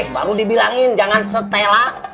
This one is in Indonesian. baru dibilangin jangan setella